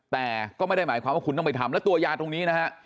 แต่ก็ไม่ได้หมายความว่าคุณต้องไปทำแล้วตัวยาตรงนี้นะฮะ